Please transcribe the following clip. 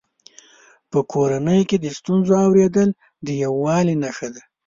په کورنۍ کې د ستونزو اورېدل د یووالي نښه ده.